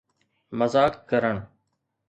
مذاق ڪرڻ